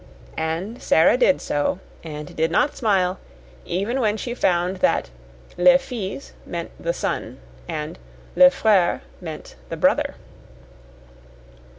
And Sara did so, and did not smile, even when she found that "le fils" meant "the son," and "le frere" meant "the brother."